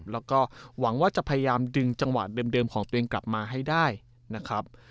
แล้วก็หวังว่าจะพยายามดึงจังหวะเดิมของตัวเองกลับมาให้ได้นะครับ